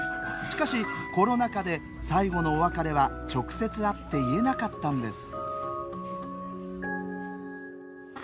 しかし、コロナ禍で最後のお別れは直接会って言えなかったんです。